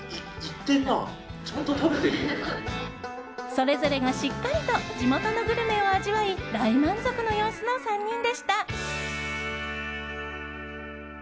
それぞれがしっかりと地元のグルメを味わい大満足の様子の３人でした。